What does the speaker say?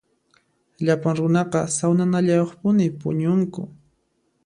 Llapan runaqa sawnanallayuqpuni puñunku.